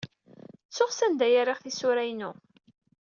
Ttuɣ sanda ay rriɣ tisura-inu.